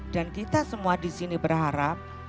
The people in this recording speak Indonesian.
dan kita semua disini berharap